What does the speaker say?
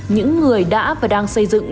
những người đã và đang xây dựng